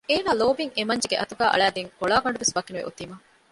އޭނާ ލޯބިން އެމަންޖެގެ އަތުގައި އަޅައިދިން އޮޅާގަނޑުވެސް ވަކިނުވެ އޮތީމަ